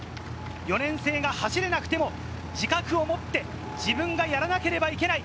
４年生が走れなくても自覚を持って自分がやらなければいけない。